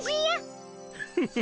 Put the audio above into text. フフフ。